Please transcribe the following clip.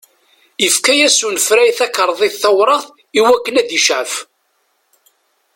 Ifka-yas unefray takarḍit tawraɣt i wakken ad icɛef.